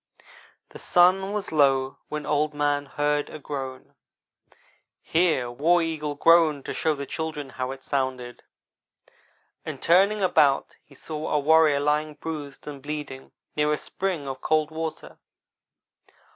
"The sun was low when Old man heard a groan" (here War Eagle groaned to show the children how it sounded), "and turning about he saw a warrior lying bruised and bleeding near a spring of cold water.